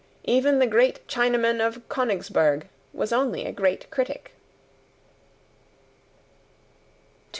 Even the great Chinaman of Konigsberg was only a great critic. 211.